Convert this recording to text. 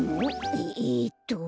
ええっと。